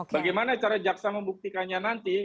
bagaimana cara jaksa membuktikannya nanti